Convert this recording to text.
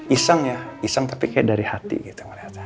iseng ya iseng tapi kayak dari hati gitu melihatnya